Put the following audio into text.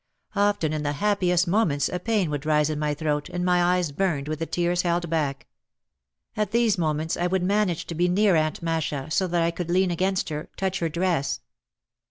Often in the happiest moments a pain would rise in my throat and my eyes burned with the tears held back. At these moments I would manage to be near Aunt Masha so that I could lean against her, touch her dress.